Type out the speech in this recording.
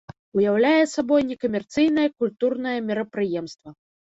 Уяўляе сабой некамерцыйнае культурнае мерапрыемства.